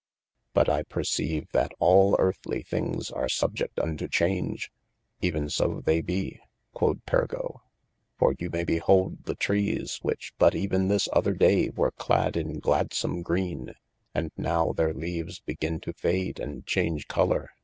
But I perceive that all earthly thinges are subjedt unto change. Even so they be quod Pergo, for you maye behold the trees which but even ' this other daye were clad in gladsome greene, and nowe their , leaves begin to fade and change collour.